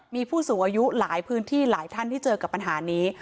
มีผู้สูงอายุหลายพื้นที่หลายท่านที่เจอกับปัญหานี้